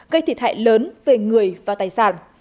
gây thiệt hại lớn về người và tài sản